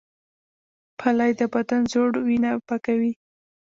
پلی د بدن زوړ وینه پاکوي